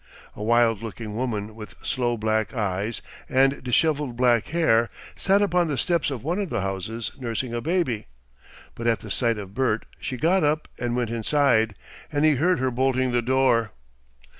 A wild looking woman with sloe black eyes and dishevelled black hair sat upon the steps of one of the houses nursing a baby, but at the sight of Bert she got up and went inside, and he heard her bolting the door.